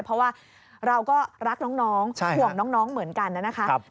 เพราะว่าเราก็รักน้องห่วงน้องเหมือนกันนะครับ